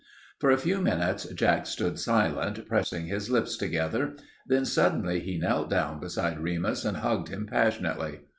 For a few minutes Jack stood silent, pressing his lips together. Then suddenly he knelt down beside Remus and hugged him passionately.